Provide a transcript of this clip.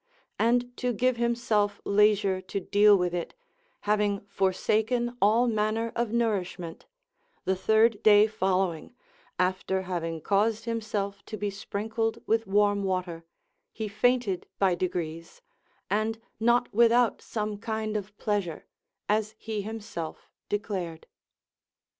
And to give himself leisure to deal with it, having forsaken all manner of nourishment, the third day following, after having caused himself to be sprinkled with warm water, he fainted by degrees, and not without some kind of pleasure, as he himself declared.